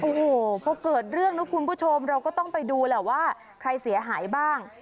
โอ้โหพอเกิดเรื่องนะคุณผู้ชมเราก็ต้องไปดูแหละว่าใครเสียหายบ้าง